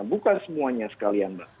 buka semuanya sekalian mbak